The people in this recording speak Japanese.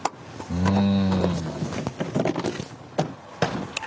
うん？